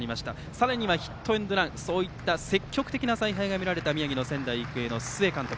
さらにはヒットエンドランなどそういった積極的な采配が見られた宮城の仙台育英の須江監督。